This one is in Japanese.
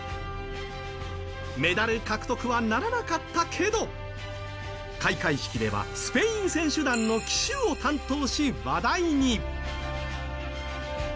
メダル獲得はならなかったけど開会式ではスペイン選手団の旗手を担当し、話題に。